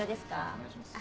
お願いします。